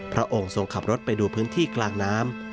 พระองค์ทรงขับรถไปดูพื้นที่กลางน้ำ